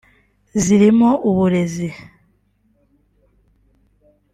zirimo uburezi